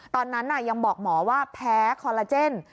ตอนนั้นยังบอกหมอว่าแพ้คอลลาเจน